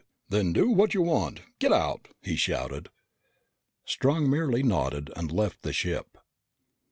Then do what you want. Get out!" he shouted. Strong merely nodded and left the ship.